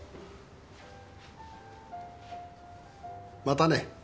またね。